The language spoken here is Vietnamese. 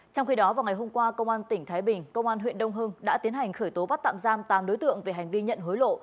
trong khi đó vào ngày hôm qua công an tỉnh thái bình công an huyện đông hưng đã tiến hành khởi tố bắt tạm giam tám đối tượng về hành vi nhận hối lộ